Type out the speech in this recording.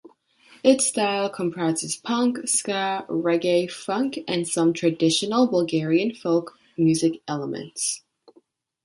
Its style comprises punk, ska, reggae, funk and some traditional Bulgarian folk music elements.